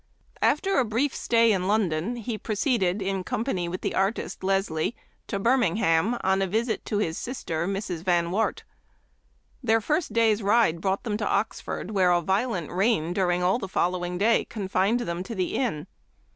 After a brief stay in London he proceeded, in company with the artist Leslie, to Birming ham, on a visit to his sister, Mrs. Van Wart. Their first day's ride brought them to Oxford, where a violent rain during all the following day confined them to the inn.